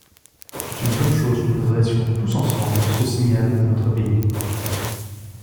C’est une bonne chose que nous adressions tous ensemble ce signal à notre pays.